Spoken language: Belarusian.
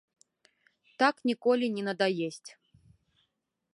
Так ніколі не надаесць.